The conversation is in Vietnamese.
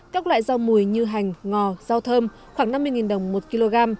các loại rau mùi như hành ngò rau thơm khoảng năm mươi đồng một kg